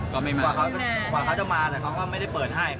ทำแผนอะไรอ่ะทำแผนมันต้องมีผู้ต้องหาดิ